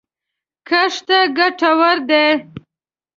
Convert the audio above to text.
کښت ته ګټور دی